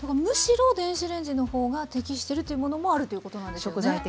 むしろ電子レンジの方が適してるというものもあるということなんですよね。